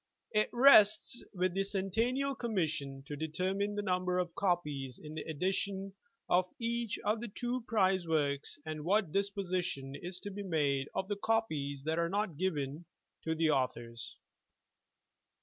It rests with the Centennial Commission to determine the num ber of copies in the edition of each of the two prize works, and what disposition is to be made of the copies that are not given to the authors.